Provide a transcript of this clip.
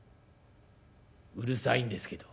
うるさいんですけど」。